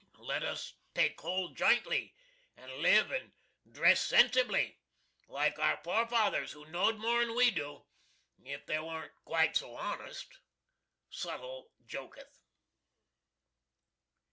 Let us all take hold jintly, and live and dress centsibly, like our forefathers who know'd moren we do, if they warnt quite so honest! (Suttle goaketh.)